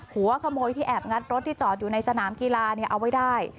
หัวขโมยที่แอบงัดรถที่จอดอยู่ในสนามกีฬาเอาไว้ได้